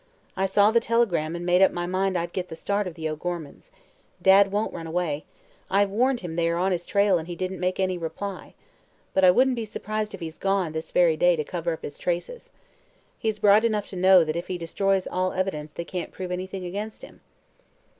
I saw the telegram and made up my mind I'd get the start of the O'Gormans. Dad won't run away. I've warned him they are on his trail and he didn't make any reply. But I wouldn't be surprised if he's gone, this very day, to cover up his traces. He's bright enough to know that if he destroys all evidence they can't prove anything against him."